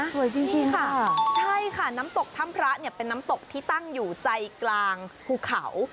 จริงค่ะใช่ค่ะน้ำตกถ้ำพระเนี่ยเป็นน้ำตกที่ตั้งอยู่ใจกลางภูเขา